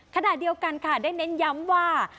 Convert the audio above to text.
ขณะเดียวกันค่ะได้เน้นย้ำว่า